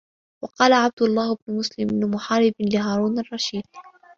وَقَالَ عَبْدُ اللَّهِ بْنُ مُسْلِمِ بْنِ مُحَارِبٍ لِهَارُونَ الرَّشِيدِ